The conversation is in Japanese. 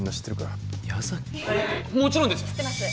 もちろんです